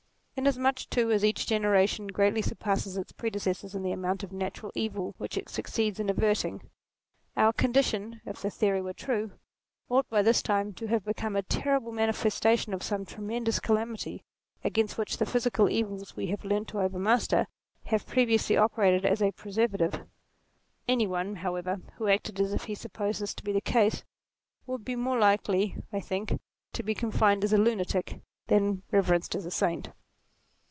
Inasmuch too as each generation greatly surpasses its pre decessors in the amount of natural evil which it succeeds in averting, our condition, if the theory were, true, ought by this time to have become a terrible manifestation of some tremendous calamity, against which the physical evils we have learnt to overmaster, had previously operated as a pre servative. Any one, however, who acted as if he supposed this to be the case, would be more likely, I think, to be confined as a lunatic, than reverenced as a saint.